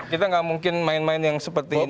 kita nggak mungkin main main yang seperti ini